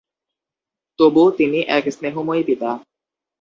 তবু তিনি এক স্নেহময় পিতা।